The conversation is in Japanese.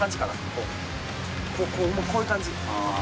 こう、こういう感じ。